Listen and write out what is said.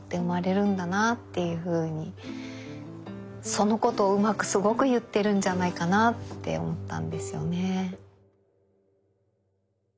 そのことをうまくすごく言ってるんじゃないかなって思ったんですよね。